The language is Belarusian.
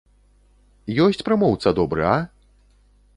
Ёсць прамоўца добры, а?